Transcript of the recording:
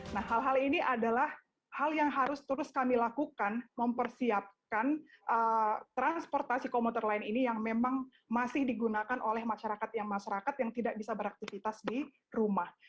nah hal hal ini adalah hal yang harus terus kami lakukan mempersiapkan transportasi komuter lain ini yang memang masih digunakan oleh masyarakat yang masyarakat yang tidak bisa beraktivitas di rumah